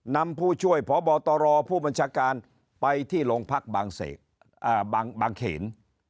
นำผู้ช่วยพบตรผู้บัญชาการไปที่โรงพักบางเขน